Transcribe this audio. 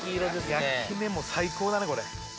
焼き目も最高だねこれ！